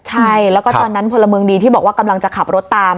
ใช่แล้วก็ตอนนั้นพลเมืองดีที่บอกว่ากำลังจะขับรถตาม